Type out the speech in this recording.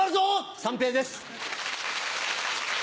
三平です。